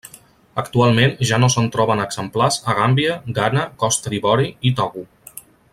Actualment ja no se'n troben exemplars a Gàmbia, Ghana, Costa d'Ivori i Togo.